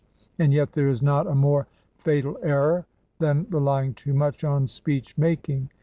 And yet there is not a more fatal error than relying too much on speech mak ing.